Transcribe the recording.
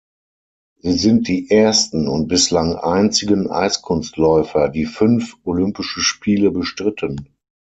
Sie sind die ersten und bislang einzigen Eiskunstläufer, die fünf Olympische Spiele bestritten.